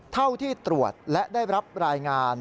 เท่าที่ตรวจและได้รับรายงาน